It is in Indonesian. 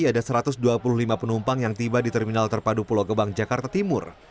ada satu ratus dua puluh lima penumpang yang tiba di terminal terpadu pulau gebang jakarta timur